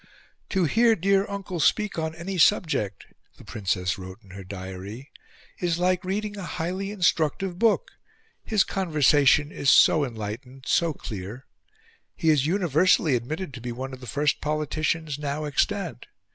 "To hear dear Uncle speak on any subject," the Princess wrote in her diary, "is like reading a highly instructive book; his conversation is so enlightened, so clear. He is universally admitted to be one of the first politicians now extant.